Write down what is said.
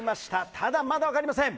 ただ、まだ分かりません。